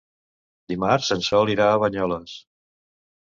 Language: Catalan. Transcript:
Dimarts en Sol irà a Banyoles.